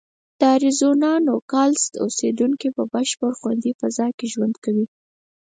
د اریزونا نوګالس اوسېدونکي په بشپړه خوندي فضا کې ژوند کوي.